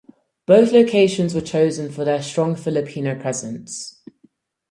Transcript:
Both locations were chosen for their strong Filipino presence.